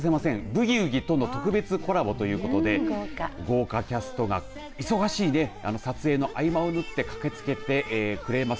ブギウギとの特別コラボということで豪華キャストが忙しいね、撮影の合間をぬって駆けつけてくれます。